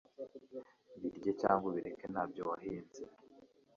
Birye cyangwa ubireke nta byo wahinze.